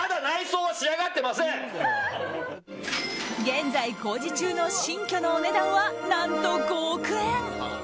現在工事中の新居のお値段は何と５億円。